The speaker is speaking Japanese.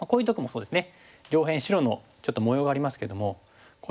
そうですね。